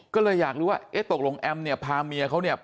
ก็เลยอยากรู้ว่าเอ๊ะตกลงแอมเนี่ยพาเมียเขาเนี่ย